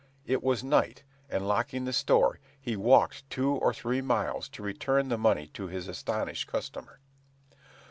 It was night, and locking the store, he walked two or three miles to return the money to his astonished customer.